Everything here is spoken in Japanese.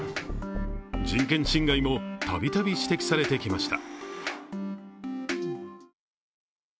人権侵害もたびたび指摘されてきました。